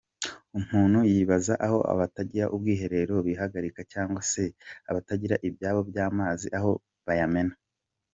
Umuntu yibaza aho abatagira ubwiherero bihagarika cyangwa se abatagira ibyobo by’amazi aho bayamena.